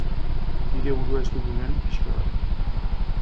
Nire burua estutu nuen pixka bat.